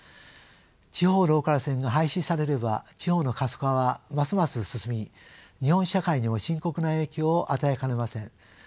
地方ローカル線が廃止されれば地方の過疎化はますます進み日本社会にも深刻な影響を与えかねません。